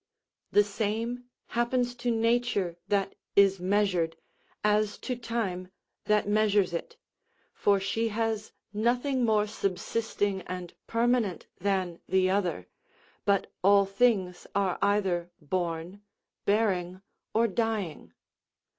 The same happens to nature, that is measured, as to time that measures it; for she has nothing more subsisting and permanent than the other, but all things are either born, bearing, or dying.